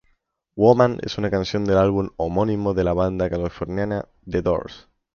Woman es una canción del álbum homónimo de la banda californiana The Doors.